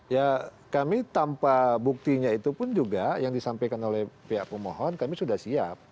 ya kami tanpa buktinya itu pun juga yang disampaikan oleh pihak pemohon kami sudah siap